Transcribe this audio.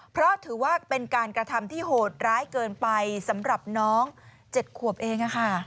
เพราะถือว่าเป็นการกระทำที่โหดร้ายเกินไปสำหรับน้อง๗ขวบเอง